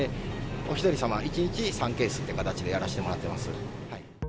お１人様１日３ケースっていう形でやらせてもらってます。